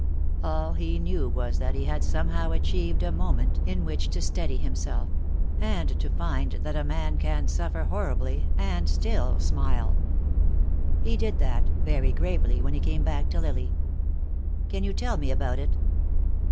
All he knew was that he had somehow achieved a moment in which to steady himself, and to find that a man can suffer horribly and still smile. He did that, very gravely, when he came back to Lily. "Can you tell me about it?"